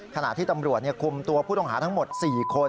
ขณะที่ตำรวจคุมตัวผู้ต้องหาทั้งหมด๔คน